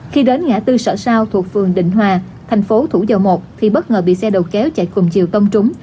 khi đến ngã tư sở sao thuộc phường định hòa thành phố thủ dầu một thì bất ngờ bị xe đầu kéo chạy cùng chiều tông trúng